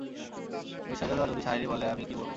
ঐ শেহজাদা যদি শাহেরি বলে আমি কি বলবো?